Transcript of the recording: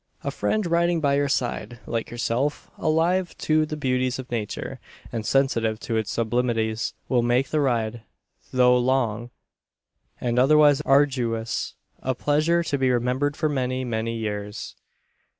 A friend riding by your side like yourself alive to the beauties of nature, and sensitive to its sublimities will make the ride, though long, and otherwise arduous, a pleasure to be remembered for many, many years.